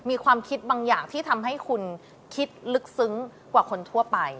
มีความคิดบางอย่างที่ทำให้คุณคิดลึกซึ้งกว่าคนทั่วไป